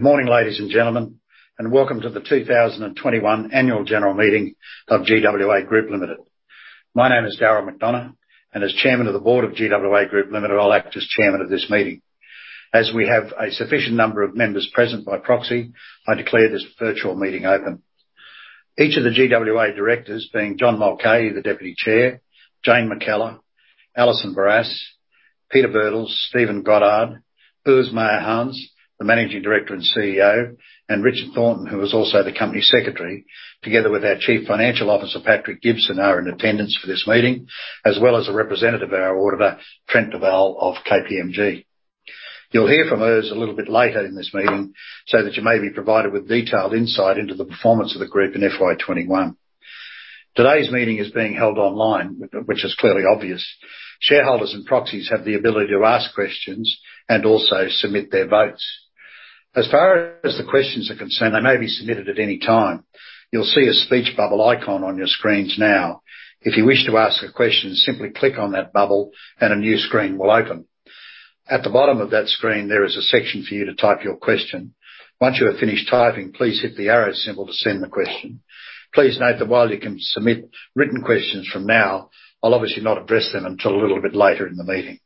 Morning, ladies and gentlemen, and welcome to the 2021 annual general meeting of GWA Group Limited. My name is Darryl McDonough, and as Chairman of the Board of GWA Group Limited, I'll act as Chairman of this meeting. As we have a sufficient number of members present by proxy, I declare this virtual meeting open. Each of the GWA directors, being John Mulcahy, the Deputy Chairman, Jane McKellar, Alison Barrass, Peter Birtles, Stephen Goddard, Urs Meyerhans, the Managing Director and CEO, and Richard Thornton, who is also the Company Secretary, together with our Chief Financial Officer, Patrick Gibson, are in attendance for this meeting, as well as a representative of our auditor, Trent Duvall of KPMG. You'll hear from Urs a little bit later in this meeting so that you may be provided with detailed insight into the performance of the group in FY 2021. Today's meeting is being held online, which is clearly obvious. Shareholders and proxies have the ability to ask questions and also submit their votes. As far as the questions are concerned, they may be submitted at any time. You'll see a speech bubble icon on your screens now. If you wish to ask a question, simply click on that bubble and a new screen will open. At the bottom of that screen, there is a section for you to type your question. Once you have finished typing, please hit the arrow symbol to send the question. Please note that while you can submit written questions from now, I'll obviously not address them until a little bit later in the meeting.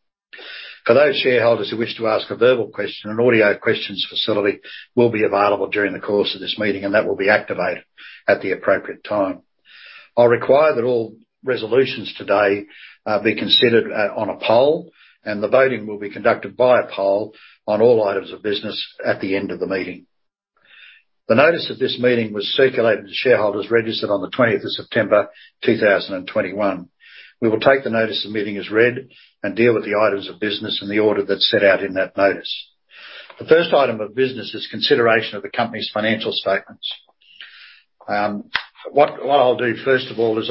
For those shareholders who wish to ask a verbal question, an audio questions facility will be available during the course of this meeting, and that will be activated at the appropriate time. I'll require that all resolutions today be considered on a poll, and the voting will be conducted by a poll on all items of business at the end of the meeting. The notice of this meeting was circulated to shareholders registered on the 20th of September, 2021. We will take the notice of meeting as read and deal with the items of business in the order that's set out in that notice. The first item of business is consideration of the company's financial statements. What I'll do first of all is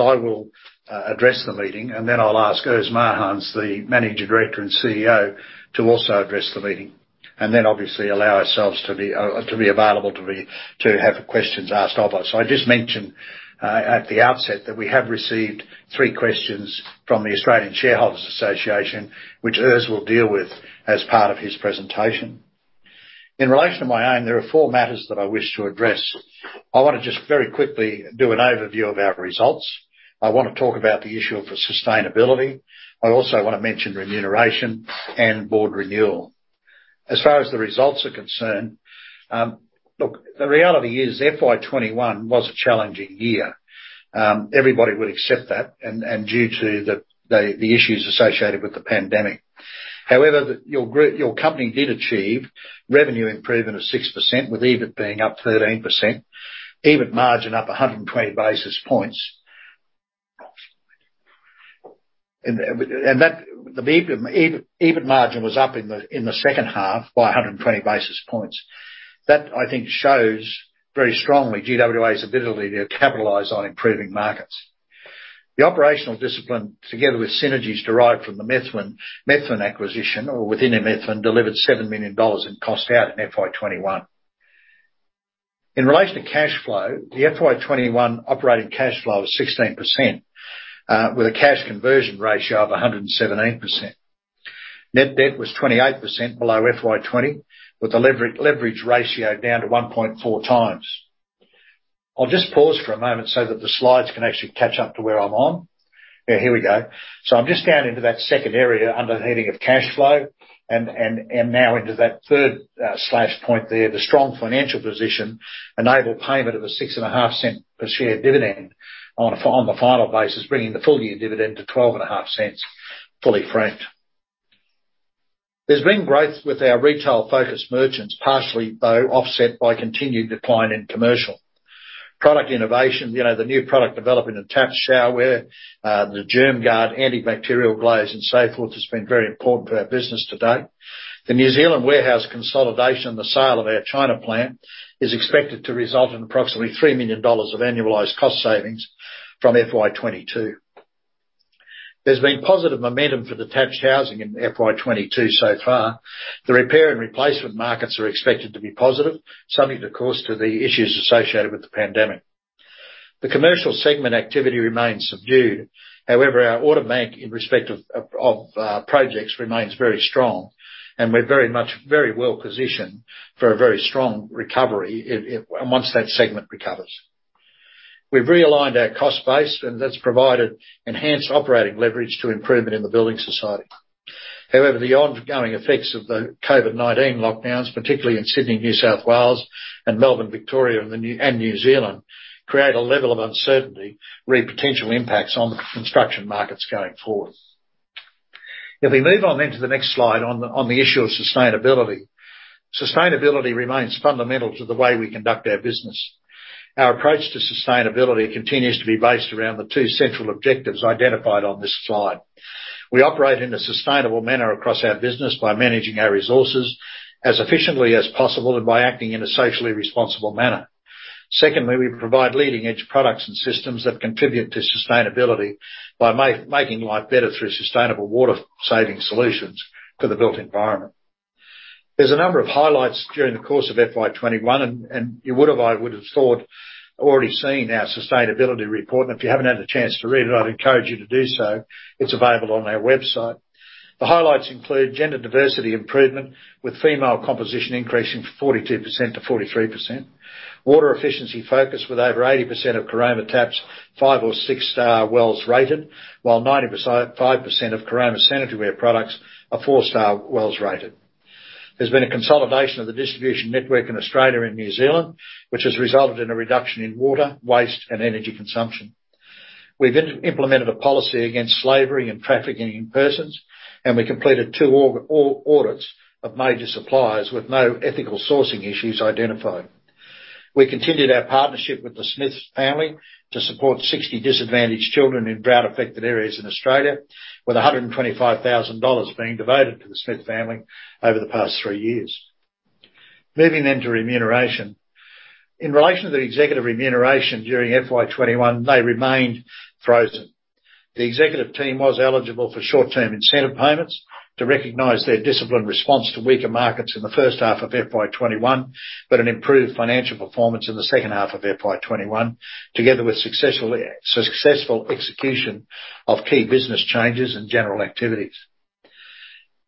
address the meeting, and then I'll ask Urs Meyerhans, the Managing Director and CEO, to also address the meeting. Then obviously allow ourselves to be available to have questions asked of us. I just mention at the outset that we have received three questions from the Australian Shareholders' Association, which Urs will deal with as part of his presentation. In relation to my own, there are four matters that I wish to address. I wanna just very quickly do an overview of our results. I wanna talk about the issue of sustainability. I also wanna mention remuneration and board renewal. As far as the results are concerned, look, the reality is FY 2021 was a challenging year. Everybody would accept that and due to the issues associated with the pandemic. However, your group, your company did achieve revenue improvement of 6% with EBIT being up 13%, EBIT margin up 120 basis points, and that the EBIT margin was up in the second half by 120 basis points. That, I think, shows very strongly GWA's ability to capitalize on improving markets. The operational discipline, together with synergies derived from the Methven acquisition or within Methven, delivered 7 million dollars in cost out in FY 2021. In relation to cash flow, the FY 2021 operating cash flow was 16% with a cash conversion ratio of 117%. Net debt was 28% below FY 2020, with the leverage ratio down to 1.4x. I'll just pause for a moment so that the slides can actually catch up to where I'm on. Yeah, here we go. I'm just going into that second area under the heading of cash flow and now into that third slash point there. The strong financial position enabled payment of a 0.065 per share dividend on the final basis, bringing the full-year dividend to 0.125, fully franked. There's been growth with our retail-focused merchants, partially though offset by continued decline in commercial. Product innovation, you know, the new product development attached showerware, the GermGard antibacterial glaze, and so forth has been very important for our business to date. The New Zealand warehouse consolidation and the sale of our China plant is expected to result in approximately 3 million dollars of annualized cost savings from FY 2022. There's been positive momentum for detached housing in FY 2022 so far. The repair and replacement markets are expected to be positive, subject of course to the issues associated with the pandemic. The commercial segment activity remains subdued. However, our order bank in respect of projects remains very strong, and we're very much very well positioned for a very strong recovery once that segment recovers. We've realigned our cost base and that's provided enhanced operating leverage to improvement in the building activity. However, the ongoing effects of the COVID-19 lockdowns, particularly in Sydney, New South Wales and Melbourne, Victoria and New Zealand, create a level of uncertainty re potential impacts on the construction markets going forward. If we move on then to the next slide on the issue of sustainability. Sustainability remains fundamental to the way we conduct our business. Our approach to sustainability continues to be based around the two central objectives identified on this slide. We operate in a sustainable manner across our business by managing our resources as efficiently as possible and by acting in a socially responsible manner. Secondly, we provide leading-edge products and systems that contribute to sustainability by making life better through sustainable water saving solutions for the built environment. There's a number of highlights during the course of FY 2021, and you would have, I would have thought, already seen our sustainability report. If you haven't had a chance to read it, I'd encourage you to do so. It's available on our website. The highlights include gender diversity improvement, with female composition increasing from 42% to 43%. Water efficiency focus with over 80% of Caroma taps, five- or six-star WELS rated, while 95% of Caroma sanitaryware products are four-star WELS rated. There's been a consolidation of the distribution network in Australia and New Zealand, which has resulted in a reduction in water, waste, and energy consumption. We have implemented a policy against slavery and trafficking in persons, and we completed two audits of major suppliers with no ethical sourcing issues identified. We continued our partnership with The Smith Family to support 60 disadvantaged children in drought-affected areas in Australia with 125,000 dollars being devoted to The Smith Family over the past three years. Moving to remuneration. In relation to the executive remuneration during FY 2021, they remained frozen. The executive team was eligible for short-term incentive payments to recognize their disciplined response to weaker markets in the first half of FY 2021, but an improved financial performance in the second half of FY 2021, together with successful execution of key business changes and general activities.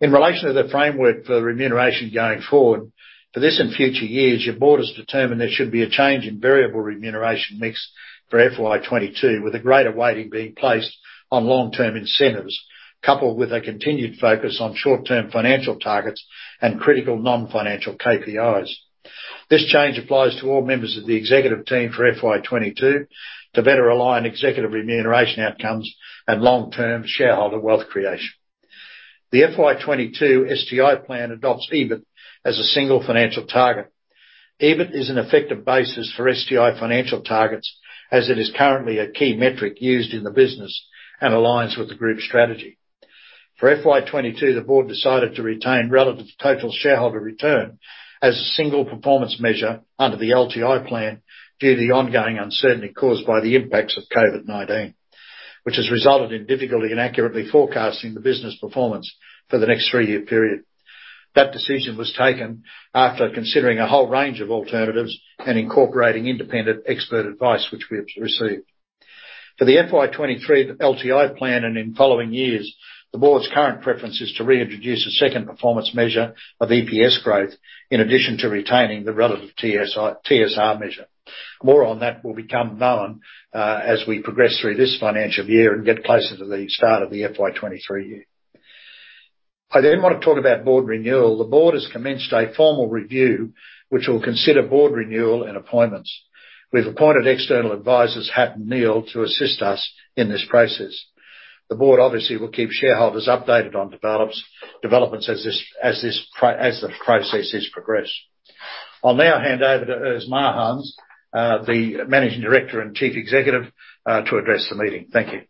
In relation to the framework for the remuneration going forward, for this and future years, your board has determined there should be a change in variable remuneration mix for FY 2022, with a greater weighting being placed on long-term incentives, coupled with a continued focus on short-term financial targets and critical non-financial KPIs. This change applies to all members of the executive team for FY 2022 to better align executive remuneration outcomes and long-term shareholder wealth creation. The FY 2022 STI plan adopts EBIT as a single financial target. EBIT is an effective basis for STI financial targets as it is currently a key metric used in the business and aligns with the group's strategy. For FY 2022, the board decided to retain relative total shareholder return as a single performance measure under the LTI plan due to the ongoing uncertainty caused by the impacts of COVID-19, which has resulted in difficulty in accurately forecasting the business performance for the next three-year period. That decision was taken after considering a whole range of alternatives and incorporating independent expert advice which we have received. For the FY 2023 LTI plan and in following years, the board's current preference is to reintroduce a second performance measure of EPS growth in addition to retaining the relative TSR measure. More on that will become known as we progress through this financial year and get closer to the start of the FY 2023 year. I then wanna talk about board renewal. The board has commenced a formal review which will consider board renewal and appointments. We've appointed external advisors, Hatton Neil, to assist us in this process. The board obviously will keep shareholders updated on developments as the process progresses. I'll now hand over to Urs Meyerhans, the Managing Director and Chief Executive, to address the meeting. Thank you.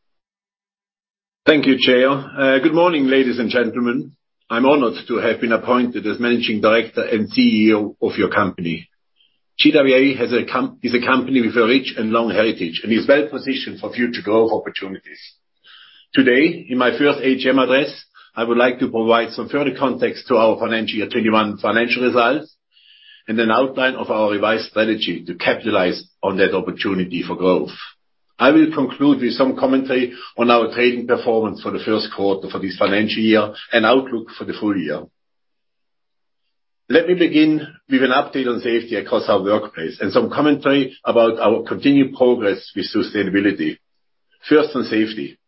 Thank you, Chair. Good morning, ladies and gentlemen. I'm honored to have been appointed as Managing Director and CEO of your company. GWA is a company with a rich and long heritage and is well-positioned for future growth opportunities. Today, in my first AGM address, I would like to provide some further context to our financial year 2021 financial results and an outline of our revised strategy to capitalize on that opportunity for growth. I will conclude with some commentary on our trading performance for the first quarter for this financial year and outlook for the full year. Let me begin with an update on safety across our workplace and some commentary about our continued progress with sustainability. First, on safety.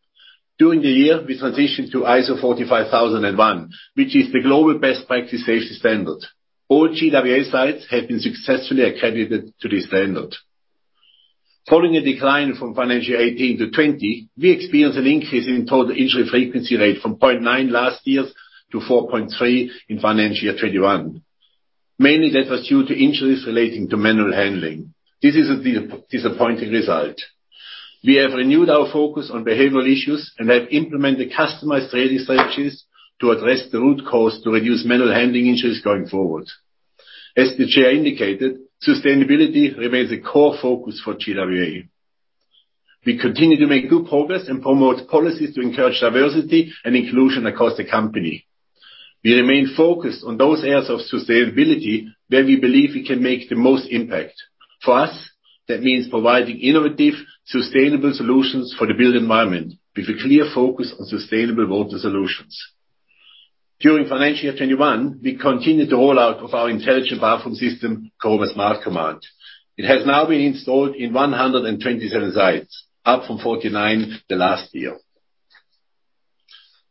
During the year, we transitioned to ISO 45001, which is the global best practice safety standard. All GWA sites have been successfully accredited to this standard. Following a decline from financial year 2018 to 2020, we experienced an increase in total injury frequency rate from 0.9 last year to 4.3 in financial year 2021. Mainly, that was due to injuries relating to manual handling. This is a disappointing result. We have renewed our focus on behavioral issues and have implemented customized training strategies to address the root cause to reduce manual handling injuries going forward. As the Chair indicated, sustainability remains a core focus for GWA. We continue to make good progress and promote policies to encourage diversity and inclusion across the company. We remain focused on those areas of sustainability where we believe we can make the most impact. For us, that means providing innovative, sustainable solutions for the built environment with a clear focus on sustainable water solutions. During FY 2021, we continued the rollout of our intelligent bathroom system, called the Smart Command. It has now been installed in 127 sites, up from 49 the last year.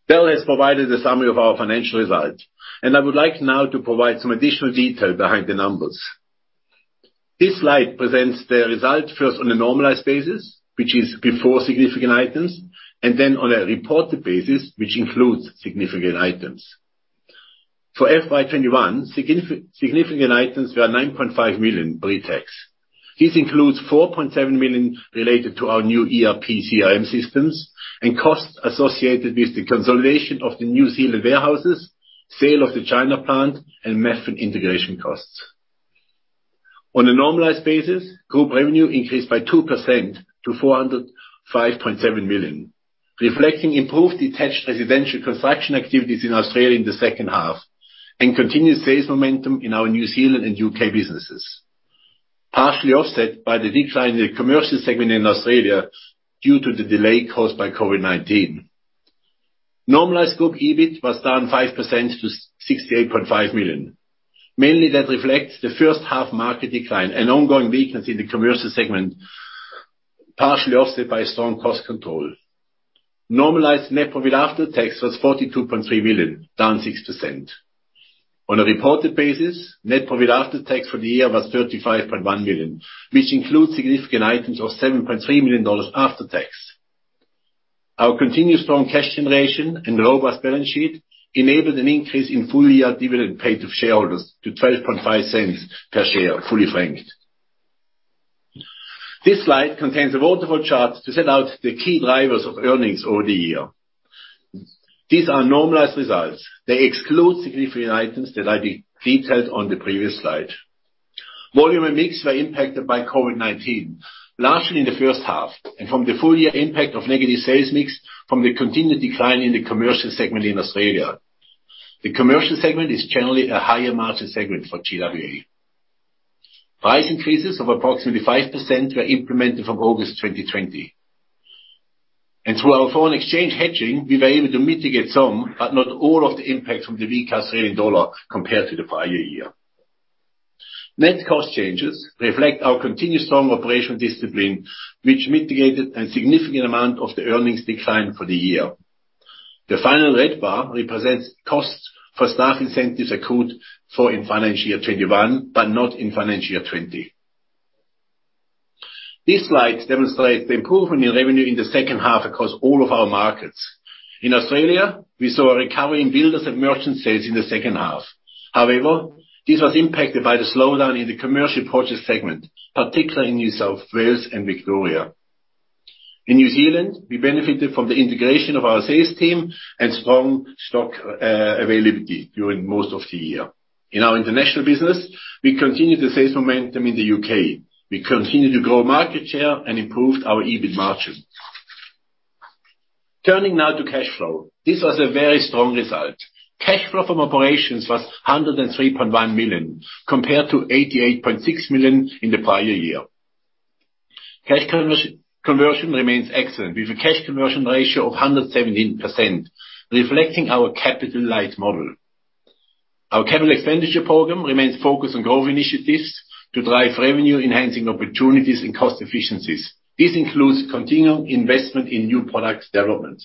Bill has provided a summary of our financial results, and I would like now to provide some additional detail behind the numbers. This slide presents the results first on a normalized basis, which is before significant items, and then on a reported basis, which includes significant items. For FY 2021, significant items were 9.5 million pre-tax. This includes 4.7 million related to our new ERP CRM systems and costs associated with the consolidation of the New Zealand warehouses, sale of the China plant, and Methven integration costs. On a normalized basis, group revenue increased by 2% to 405.7 million, reflecting improved detached residential construction activities in Australia in the second half, and continued sales momentum in our New Zealand and U.K. businesses, partially offset by the decline in the commercial segment in Australia due to the delay caused by COVID-19. Normalized group EBIT was down 5% to 68.5 million. Mainly, that reflects the first half market decline and ongoing weakness in the commercial segment, partially offset by strong cost control. Normalized net profit after tax was 42.3 million, down 6%. On a reported basis, net profit after tax for the year was 35.1 million, which includes significant items of 7.3 million dollars after tax. Our continuous strong cash generation and robust balance sheet enabled an increase in full year dividend paid to shareholders to 0.125 per share, fully franked. This slide contains a waterfall chart to set out the key drivers of earnings over the year. These are normalized results. They exclude significant items that I detailed on the previous slide. Volume and mix were impacted by COVID-19, largely in the first half, and from the full year impact of negative sales mix from the continued decline in the commercial segment in Australia. The commercial segment is generally a higher margin segment for GWA. Price increases of approximately 5% were implemented from August 2020. Through our foreign exchange hedging, we were able to mitigate some, but not all of the impacts from the weak Australian dollar, compared to the prior year. Net cost changes reflect our continued strong operational discipline, which mitigated a significant amount of the earnings decline for the year. The final red bar represents costs for staff incentives accrued for in financial year 2021, but not in financial year 2020. This slide demonstrates the improvement in revenue in the second half across all of our markets. In Australia, we saw a recovery in builders and merchant sales in the second half. However, this was impacted by the slowdown in the commercial project segment, particularly in New South Wales and Victoria. In New Zealand, we benefited from the integration of our sales team and strong stock availability during most of the year. In our international business, we continued the sales momentum in the U.K. We continued to grow market share and improved our EBIT margin. Turning now to cash flow. This was a very strong result. Cash flow from operations was 103.1 million, compared to 88.6 million in the prior year. Cash conversion remains excellent, with a cash conversion ratio of 117%, reflecting our capital light model. Our capital expenditure program remains focused on growth initiatives to drive revenue-enhancing opportunities and cost efficiencies. This includes continued investment in new products development.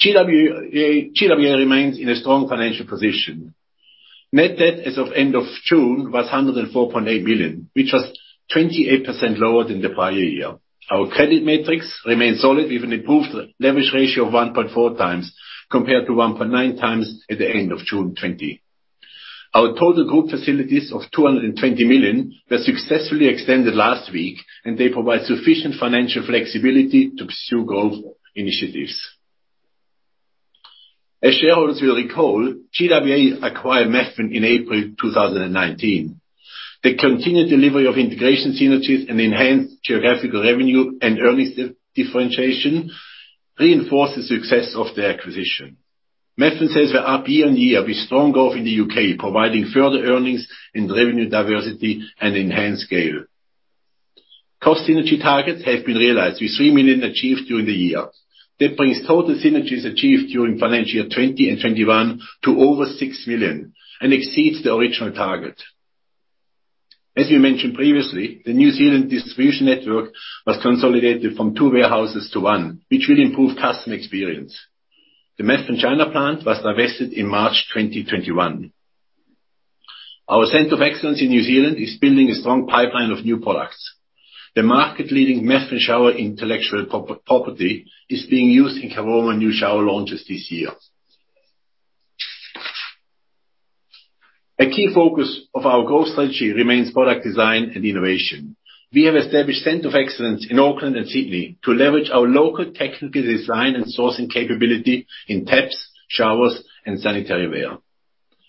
GWA remains in a strong financial position. Net debt as of end of June was 104.8 million, which was 28% lower than the prior year. Our credit metrics remain solid, with an improved leverage ratio of 1.4x compared to 1.9x at the end of June 2020. Our total group facilities of 220 million were successfully extended last week, and they provide sufficient financial flexibility to pursue growth initiatives. As shareholders will recall, GWA acquired Methven in April 2019. The continued delivery of integration synergies and enhanced geographical revenue and earnings differentiation reinforce the success of the acquisition. Methven sales were up year-on-year with strong growth in the U.K., providing further earnings in revenue diversity and enhanced scale. Cost synergy targets have been realized with 3 million achieved during the year. That brings total synergies achieved during financial year 2020 and 2021 to over 6 million and exceeds the original target. As we mentioned previously, the New Zealand distribution network was consolidated from two warehouses to one, which will improve customer experience. The Methven China plant was divested in March 2021. Our Center of Excellence in New Zealand is building a strong pipeline of new products. The market-leading Methven Showerware intellectual property is being used in Caroma's new shower launches this year. A key focus of our growth strategy remains product design and innovation. We have established Center of Excellence in Auckland and Sydney to leverage our local technical design and sourcing capability in taps, showers, and sanitary ware.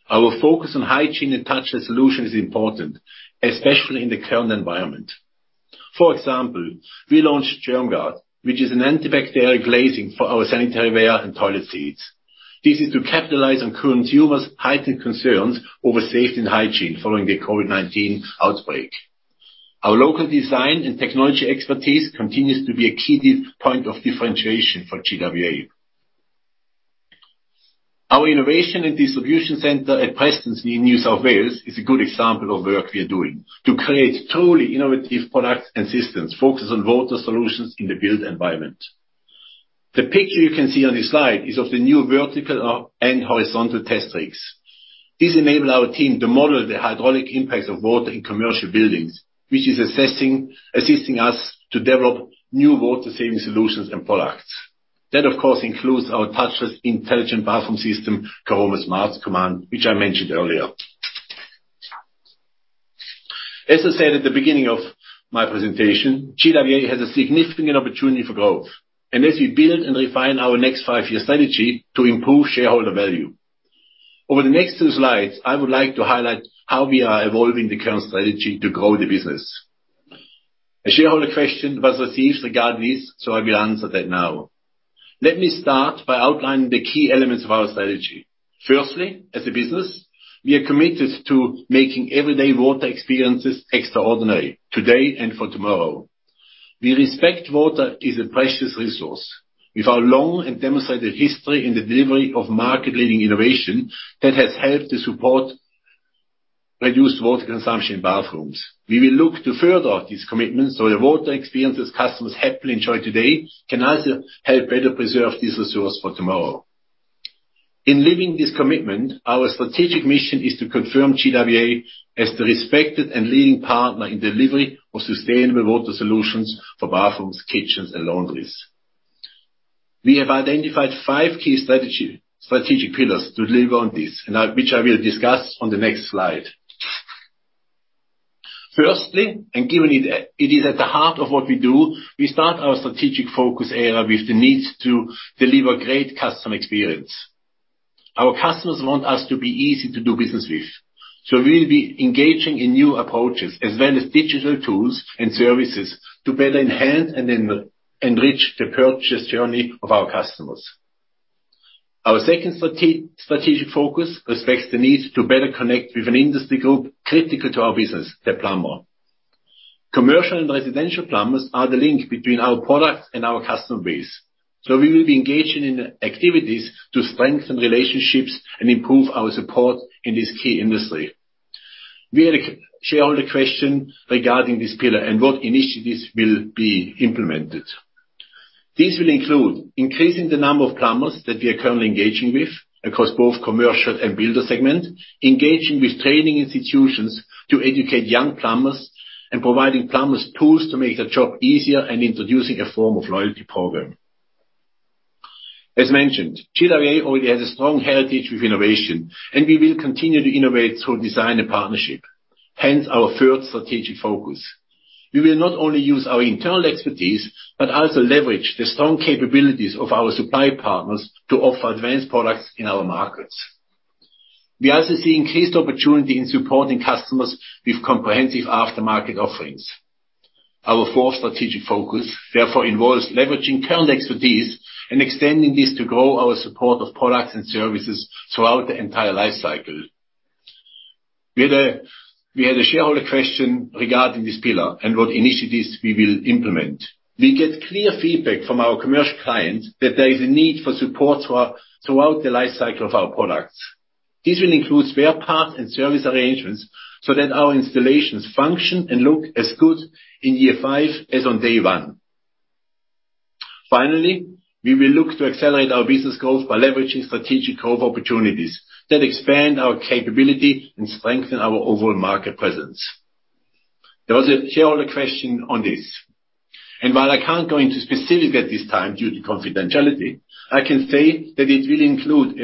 Our focus on hygiene and touchless solution is important, especially in the current environment. For example, we launched GermGard, which is an antibacterial glaze for our sanitary ware and toilet seats. This is to capitalize on current consumers' heightened concerns over safety and hygiene following the COVID-19 outbreak. Our local design and technology expertise continues to be a key point of differentiation for GWA. Our innovation and distribution center at Prestons in New South Wales is a good example of work we are doing to create truly innovative products and systems focused on water solutions in the built environment. The picture you can see on this slide is of the new vertical and horizontal test rigs. These enable our team to model the hydraulic impacts of water in commercial buildings, assisting us to develop new water-saving solutions and products. That, of course, includes our touchless intelligent bathroom system, Caroma Smart Command, which I mentioned earlier. As I said at the beginning of my presentation, GWA has a significant opportunity for growth. As we build and refine our next five-year strategy to improve shareholder value. Over the next two slides, I would like to highlight how we are evolving the current strategy to grow the business. A shareholder question was received regarding this, so I will answer that now. Let me start by outlining the key elements of our strategy. Firstly, as a business, we are committed to making everyday water experiences extraordinary today and for tomorrow. We respect that water is a precious resource with our long and demonstrated history in the delivery of market-leading innovation that has helped to support reduced water consumption in bathrooms. We will look to further these commitments so the water experiences customers happily enjoy today can also help better preserve this resource for tomorrow. In living this commitment, our strategic mission is to confirm GWA as the respected and leading partner in delivery of sustainable water solutions for bathrooms, kitchens, and laundries. We have identified five key strategic pillars to deliver on this, which I will discuss on the next slide. Firstly, given it is at the heart of what we do, we start our strategic focus area with the needs to deliver great customer experience. Our customers want us to be easy to do business with. We'll be engaging in new approaches as well as digital tools and services to better enhance and enrich the purchase journey of our customers. Our second strategic focus respects the need to better connect with an industry group critical to our business, the plumber. Commercial and residential plumbers are the link between our products and our customer base. We will be engaging in activities to strengthen relationships and improve our support in this key industry. We had a shareholder question regarding this pillar and what initiatives will be implemented. These will include increasing the number of plumbers that we are currently engaging with across both commercial and builder segment, engaging with training institutions to educate young plumbers, and providing plumbers tools to make their job easier, and introducing a form of loyalty program. As mentioned, GWA already has a strong heritage with innovation, and we will continue to innovate through design and partnership, hence our third strategic focus. We will not only use our internal expertise, but also leverage the strong capabilities of our supply partners to offer advanced products in our markets. We also see increased opportunity in supporting customers with comprehensive aftermarket offerings. Our fourth strategic focus, therefore, involves leveraging current expertise and extending this to grow our support of products and services throughout the entire life cycle. We had a shareholder question regarding this pillar and what initiatives we will implement. We get clear feedback from our commercial clients that there is a need for support throughout the life cycle of our products. This will include spare parts and service arrangements so that our installations function and look as good in year five as on day one. Finally, we will look to accelerate our business growth by leveraging strategic growth opportunities that expand our capability and strengthen our overall market presence. There was a shareholder question on this, and while I can't go into specifics at this time due to confidentiality, I can say that it will include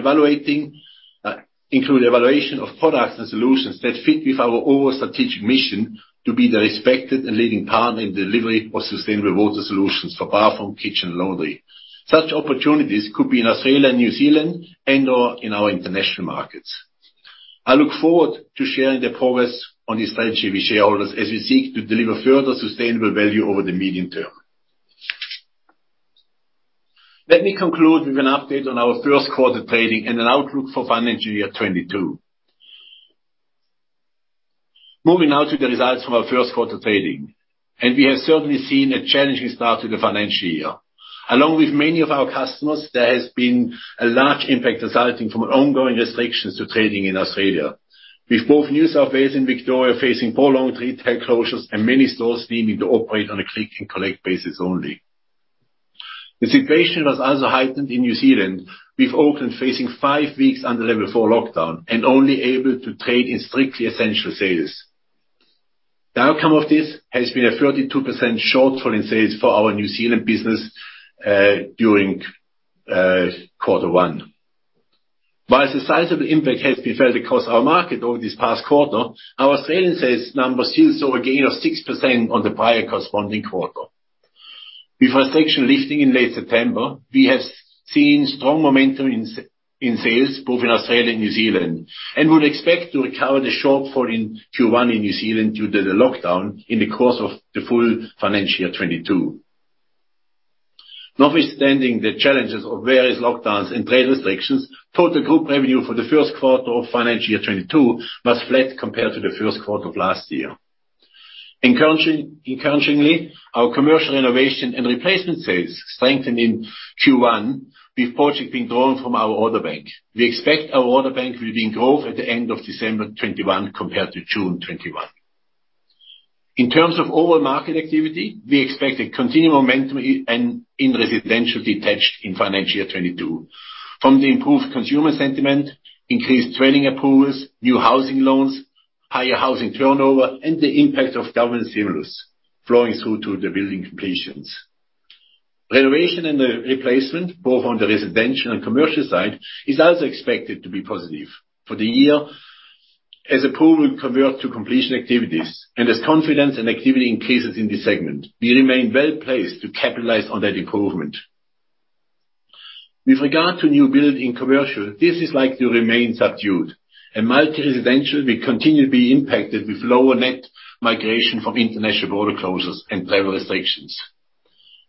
evaluation of products and solutions that fit with our overall strategic mission to be the respected and leading partner in delivery of sustainable water solutions for bathroom, kitchen, and laundry. Such opportunities could be in Australia and New Zealand and/or in our international markets. I look forward to sharing the progress on this strategy with shareholders as we seek to deliver further sustainable value over the medium term. Let me conclude with an update on our first quarter trading and an outlook for financial year 2022. Moving now to the results from our first quarter trading, and we have certainly seen a challenging start to the financial year. Along with many of our customers, there has been a large impact resulting from ongoing restrictions to trading in Australia, with both New South Wales and Victoria facing prolonged retail closures and many stores needing to operate on a click and collect basis only. The situation was also heightened in New Zealand, with Auckland facing five weeks under level 4 lockdown and only able to trade in strictly essential sales. The outcome of this has been a 32% shortfall in sales for our New Zealand business during quarter one. While a sizable impact has been felt across our market over this past quarter, our Australian sales numbers still saw a gain of 6% on the prior corresponding quarter. With restriction lifting in late September, we have seen strong momentum in sales, both in Australia and New Zealand, and would expect to recover the shortfall in Q1 in New Zealand due to the lockdown in the course of the full financial year 2022. Notwithstanding the challenges of various lockdowns and trade restrictions, total group revenue for the first quarter of financial year 2022 was flat compared to the first quarter of last year. Encouragingly, our commercial renovation and replacement sales strengthened in Q1, with projects being drawn from our order bank. We expect our order bank will be in growth at the end of December 2021 compared to June 2021. In terms of overall market activity, we expect a continued momentum in residential detached in financial year 2022 from the improved consumer sentiment, increased trading approvals, new housing loans, higher housing turnover, and the impact of government stimulus flowing through to the building completions. Renovation and the replacement, both on the residential and commercial side, is also expected to be positive for the year as approvals convert to completion activities and as confidence and activity increases in this segment. We remain well-placed to capitalize on that improvement. With regard to new build in commercial, this is likely to remain subdued and multi-residential will continue to be impacted with lower net migration from international border closures and travel restrictions.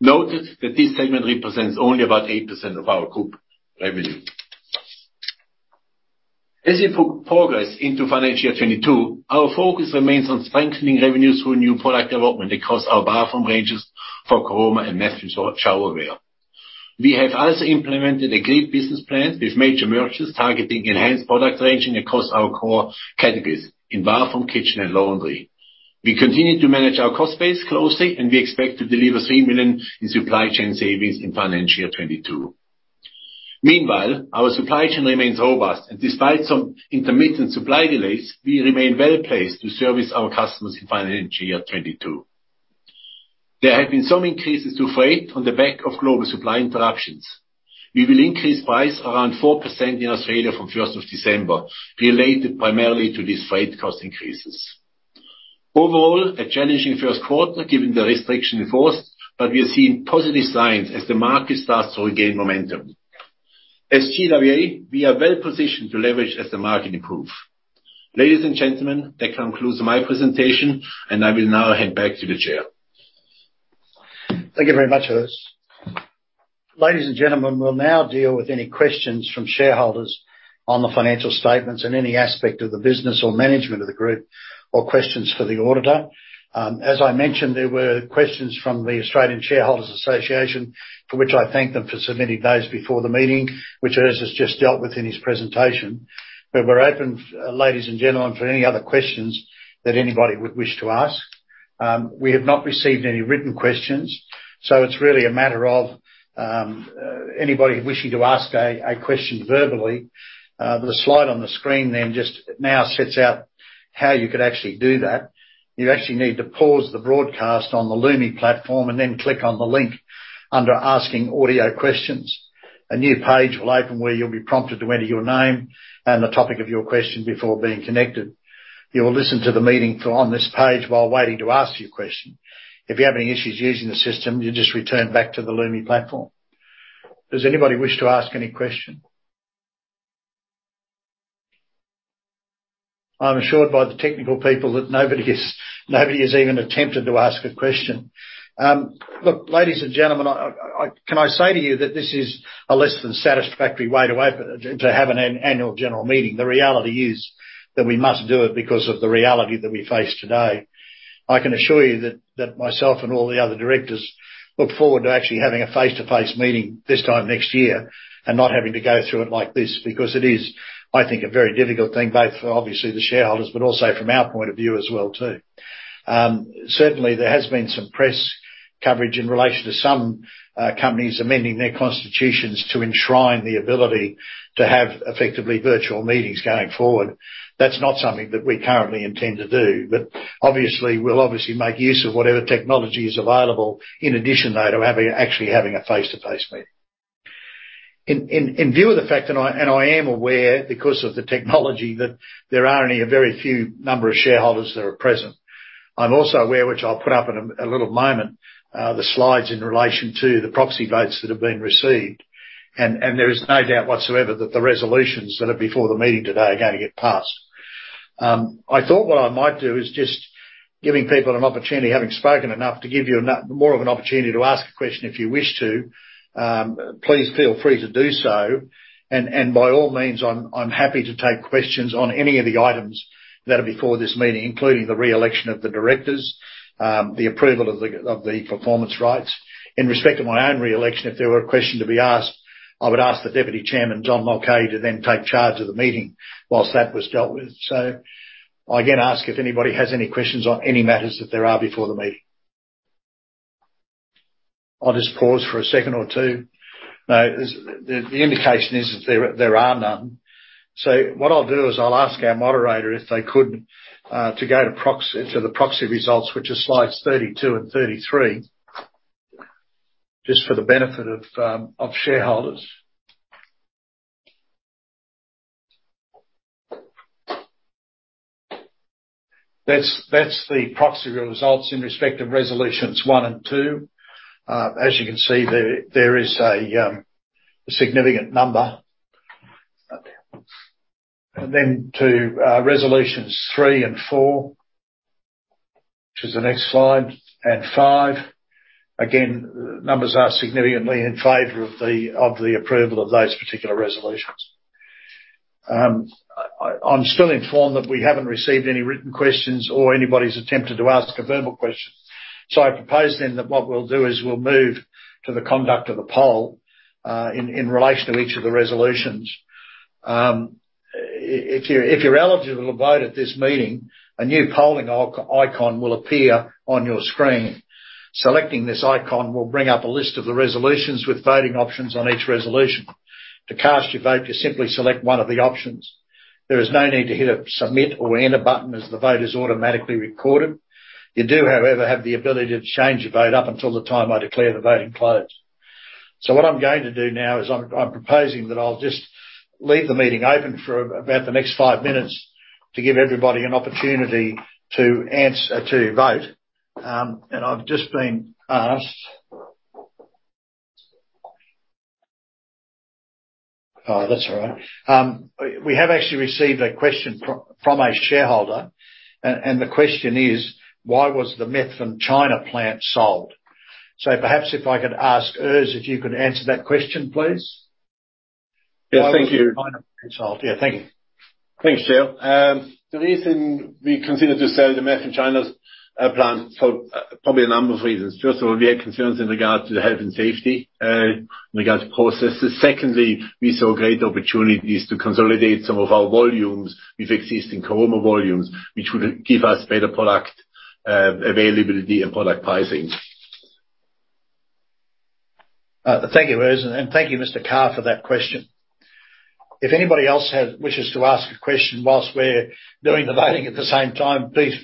Note that this segment represents only about 8% of our group revenue. As we progress into financial year 2022, our focus remains on strengthening revenues through new product development across our bathroom ranges for Caroma and Methven Showerware. We have also implemented a great business plan with major merchants targeting enhanced product ranging across our core categories in bathroom, kitchen and laundry. We continue to manage our cost base closely, and we expect to deliver 3 million in supply chain savings in financial year 2022. Meanwhile, our supply chain remains robust and despite some intermittent supply delays, we remain well-placed to service our customers in financial year 2022. There have been some increases to freight on the back of global supply interruptions. We will increase price around 4% in Australia from first of December, related primarily to these freight cost increases. Overall, a challenging first quarter given the restriction in force, but we are seeing positive signs as the market starts to regain momentum. As GWA, we are well positioned to leverage as the market improve. Ladies and gentlemen, that concludes my presentation and I will now hand back to the chair. Thank you very much, Urs. Ladies and gentlemen, we'll now deal with any questions from shareholders on the financial statements in any aspect of the business or management of the group or questions for the auditor. As I mentioned, there were questions from the Australian Shareholders' Association for which I thank them for submitting those before the meeting, which Urs has just dealt with in his presentation. We're open, ladies and gentlemen, for any other questions that anybody would wish to ask. We have not received any written questions, so it's really a matter of anybody wishing to ask a question verbally. The slide on the screen then just now sets out how you could actually do that. You actually need to pause the broadcast on the Lumi platform and then click on the link under Asking Audio Questions. A new page will open where you'll be prompted to enter your name and the topic of your question before being connected. You will listen to the meeting from this page while waiting to ask your question. If you have any issues using the system, you just return back to the Lumi platform. Does anybody wish to ask any question? I'm assured by the technical people that nobody has even attempted to ask a question. Look, ladies and gentlemen, I can I say to you that this is a less than satisfactory way to open, to have an annual general meeting. The reality is that we must do it because of the reality that we face today. I can assure you that myself and all the other directors look forward to actually having a face-to-face meeting this time next year and not having to go through it like this because it is, I think, a very difficult thing, both for obviously the shareholders, but also from our point of view as well too. Certainly there has been some press coverage in relation to some companies amending their constitutions to enshrine the ability to have effectively virtual meetings going forward. That's not something that we currently intend to do, but obviously we'll make use of whatever technology is available in addition, though, to having actually having a face-to-face meeting. In view of the fact that I am aware because of the technology that there are only a very few number of shareholders that are present. I'm also aware, which I'll put up in a little moment, the slides in relation to the proxy votes that have been received. There is no doubt whatsoever that the resolutions that are before the meeting today are gonna get passed. I thought what I might do is just giving people an opportunity, having spoken enough, to give you more of an opportunity to ask a question if you wish to. Please feel free to do so. By all means, I'm happy to take questions on any of the items that are before this meeting, including the re-election of the directors, the approval of the performance rights. In respect to my own re-election, if there were a question to be asked, I would ask the deputy chairman, John Mulcahy, to then take charge of the meeting whilst that was dealt with. I again ask if anybody has any questions on any matters that there are before the meeting. I'll just pause for a second or two. No, the indication is that there are none. What I'll do is I'll ask our moderator if they could go to the proxy results, which are slides 32 and 33, just for the benefit of shareholders. That's the proxy results in respect of resolutions one and two. As you can see, there is a significant number. Then to resolutions three and four, which is the next slide, and five. Again, numbers are significantly in favor of the approval of those particular resolutions. I'm still informed that we haven't received any written questions or anybody's attempted to ask a verbal question. I propose then that what we'll do is we'll move to the conduct of the poll in relation to each of the resolutions. If you're eligible to vote at this meeting, a new polling icon will appear on your screen. Selecting this icon will bring up a list of the resolutions with voting options on each resolution. To cast your vote, you simply select one of the options. There is no need to hit a submit or enter button as the vote is automatically recorded. You do, however, have the ability to change your vote up until the time I declare the voting closed. What I'm going to do now is propose that I'll just leave the meeting open for about the next five minutes to give everybody an opportunity to vote. I've just been asked. We have actually received a question from a shareholder. The question is, "Why was the Methven China plant sold?" Perhaps I could ask Urs if you could answer that question, please. Yeah, thank you. Why was the China plant sold? Yeah, thank you. Thanks, Chair. The reason we considered to sell the Methven China’s plant is probably a number of reasons. First of all, we had concerns in regard to the health and safety in regards to processes. Secondly, we saw great opportunities to consolidate some of our volumes with existing Caroma volumes, which would give us better product availability and product pricing. Thank you, Urs, and thank you, Mr. Carr, for that question. If anybody else wishes to ask a question while we're doing the voting at the same time, please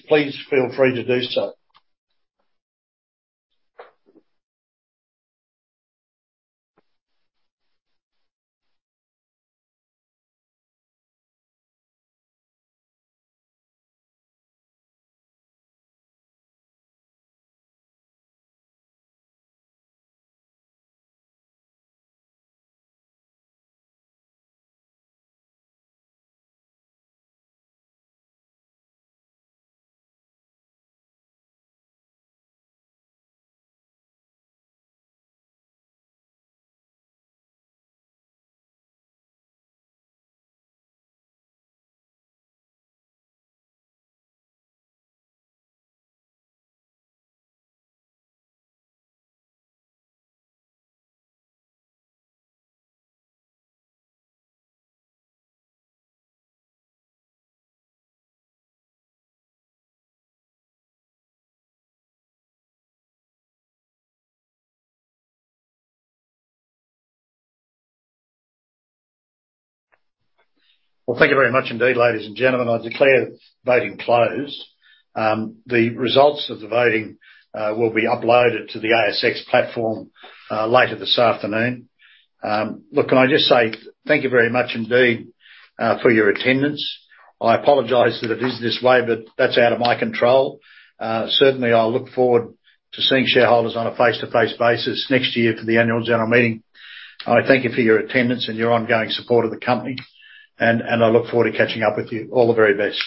feel free to do so. Well, thank you very much indeed, ladies and gentlemen. I declare the voting closed. The results of the voting will be uploaded to the ASX platform later this afternoon. Look, can I just say thank you very much indeed for your attendance. I apologize that it is this way, but that's out of my control. Certainly, I'll look forward to seeing shareholders on a face-to-face basis next year for the annual general meeting. I thank you for your attendance and your ongoing support of the company, and I look forward to catching up with you. All the very best.